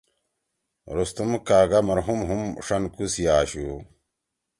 رستم کاگا مرحوم ہُم ݜنکو سی آشُو۔